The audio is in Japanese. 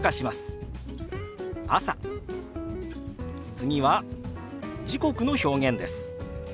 次は時刻の表現です。